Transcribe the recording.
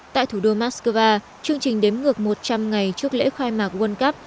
tại thủ đô moscow chương trình đếm ngược một trăm linh ngày trước lễ khai mạc world cup